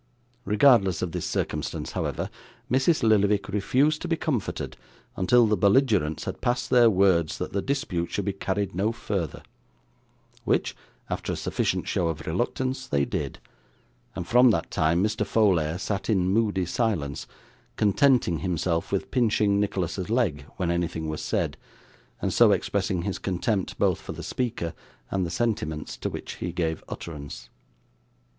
Regardless of this circumstance, however, Mrs. Lillyvick refused to be comforted until the belligerents had passed their words that the dispute should be carried no further, which, after a sufficient show of reluctance, they did, and from that time Mr. Folair sat in moody silence, contenting himself with pinching Nicholas's leg when anything was said, and so expressing his contempt both for the speaker and the sentiments to which he gave utterance.